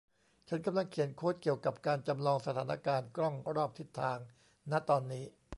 ฉันกำลังเขียนโค้ดเกี่ยวกับการจำลองสถานการณ์กล้องรอบทิศทาง ณ ตอนนี้